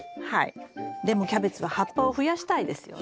でもキャベツは葉っぱを増やしたいですよね。